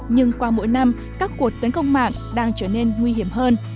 nhưng qua mỗi năm các cuộc tấn công mạng đang trở nên nguy hiểm hơn